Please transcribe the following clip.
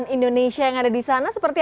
masak sendiri atau pergi ke restaurant